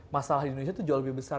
masalah di indonesia itu jauh lebih besar